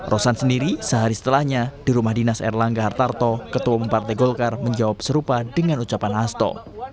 rosan sendiri sehari setelahnya di rumah dinas erlangga hartarto ketua umum partai golkar menjawab serupa dengan ucapan hasto